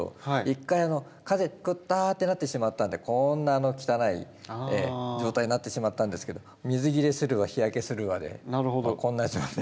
一回完全にクターッてなってしまったんでこんな汚い状態になってしまったんですけど水切れするわ日焼けするわでこんな状態に。